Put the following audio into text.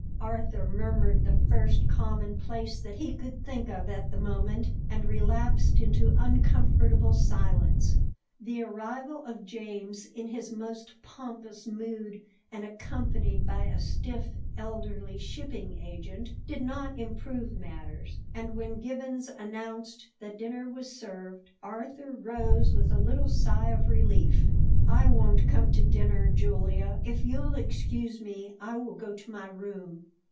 Arthur murmured the first commonplace that he could think of at the moment, and relapsed into uncomfortable silence. The arrival of James, in his most pompous mood and accompanied by a stiff, elderly shipping agent, did not improve matters; and when Gibbons announced that dinner was served, Arthur rose with a little sigh of relief. "I won't come to dinner, Julia. If you'll excuse me I will go to my room."